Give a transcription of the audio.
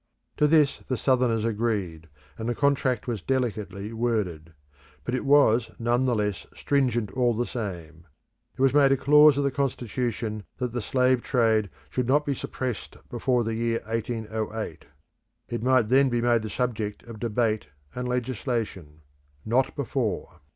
To this the Southerners agreed, and the contract was delicately worded; but it was none the less stringent all the same. It was made a clause of the Constitution that the slave trade should not be suppressed before the year 1808. It might then be made the subject of debate and legislation not before.